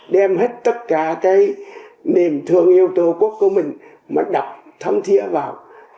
đem hết tất cả cái niềm thương yêu tựa quốc của mình mà đọc thấm thiện vào